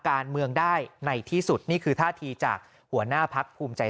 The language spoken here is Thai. การเมืองได้ในที่สุดนี่คือท่าทีจากหัวหน้าพักภูมิใจ